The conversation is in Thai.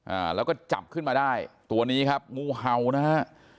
อ่าแล้วก็จับขึ้นมาได้ตัวนี้ครับงูเห่านะฮะ